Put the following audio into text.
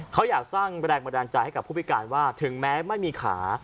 เขาอยากสร้างแรงบันดาลใจให้กับผู้พิการว่าถึงแม้ไม่มีขา